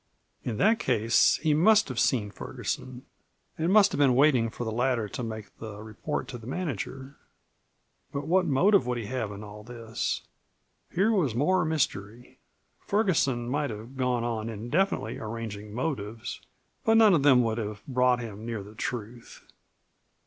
In that case he must have seen Ferguson, and must be waiting for the latter to make the report to the manager. But what motive would he have in this? Here was more mystery. Ferguson might have gone on indefinitely arranging motives, but none of them would have brought him near the truth.